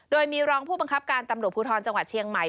โดยมีรองผู้บังคับการตำรวจภูทรจังหวัดเชียงใหม่